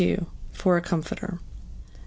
For a Comforter. No.